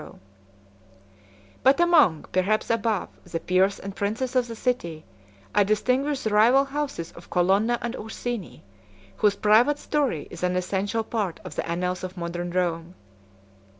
] But among, perhaps above, the peers and princes of the city, I distinguish the rival houses of Colonna and Ursini, whose private story is an essential part of the annals of modern Rome.